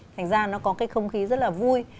thành ra nó có cái không khí rất là vui